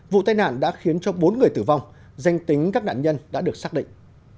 vụ tai nạn đã khiến cho bốn người tử vong danh tính các nạn nhân đã được xác định